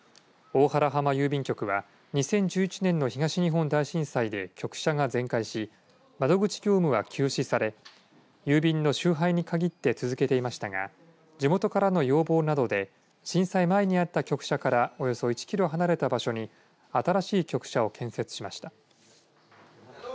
大原浜郵便局は２０１１年の東日本大震災で局舎が全壊し窓口業務が休止され郵便の集配に限って続けていましたが地元からの要望などで震災前にあった局舎からおよそ１キロ離れた場所に新しい局舎を建設しました。